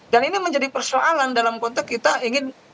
dan ini menjadi persoalan dalam konteks kita ingin